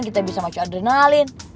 kita bisa masuk adrenalin